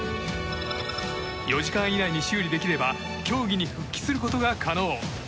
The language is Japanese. ４時間以内に修理できれば競技に復帰することが可能。